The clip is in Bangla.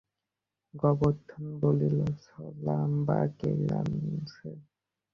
গোবর্ধন বলিল, ছলাম বা কে জানছে?